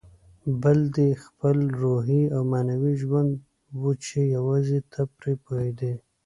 بل دې خپل روحي او معنوي ژوند و چې یوازې ته پرې پوهېدې.